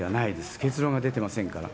結論が出てませんから。